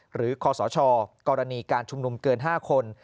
คศกรณีการชุมนุมเกิน๕คน